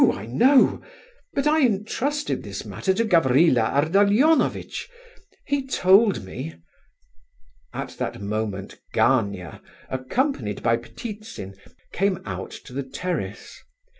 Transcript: I know—but I entrusted this matter to Gavrila Ardalionovitch. He told me..." At that moment Gania, accompanied by Ptitsin, came out to the terrace.